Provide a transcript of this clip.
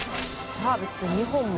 サービスで２本も。